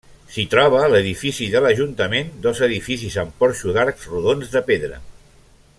S'hi troba l'edifici de l'Ajuntament dos edificis amb porxo d'arcs rodons de pedra.